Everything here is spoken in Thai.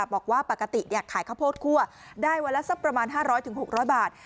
บอกว่าปกติขายข้าวโพดคั่วได้วันละสักประมาณ๕๐๐๖๐๐บาท